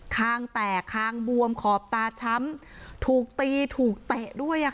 คางแตกคางบวมขอบตาช้ำถูกตีถูกเตะด้วย